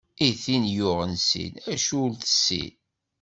I tin yuɣen sin, acu ur tessin?